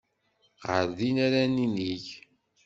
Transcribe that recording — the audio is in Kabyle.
Ɣer din ara ninig.